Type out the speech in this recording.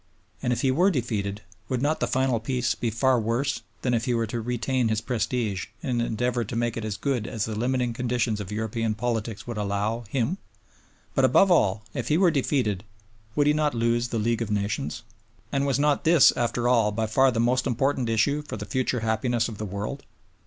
And if he were defeated, would not the final Peace be far worse than if he were to retain his prestige and endeavor to make it as good as the limiting conditions of European politics would allow, him? But above all, if he were defeated, would he not lose the League of Nations? And was not this, after all, by far the most important issue for the future happiness of the world?